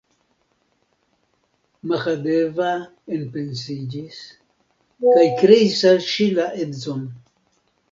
Mahadeva enpensiĝis kaj kreis al ŝi la edzon!